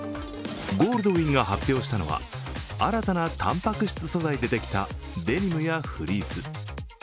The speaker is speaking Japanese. ゴールドウインが発表したのは、新たなたんぱく質素材でできたデニムやフリース。